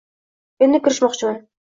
— Endi kirishmoqchiman.